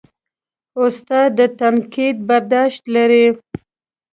استاد د تنقید برداشت لري.